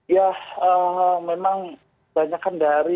ya memang banyakkan dari